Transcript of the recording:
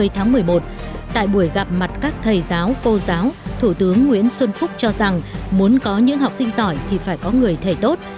hai mươi tháng một mươi một tại buổi gặp mặt các thầy giáo cô giáo thủ tướng nguyễn xuân phúc cho rằng muốn có những học sinh giỏi thì phải có người thầy tốt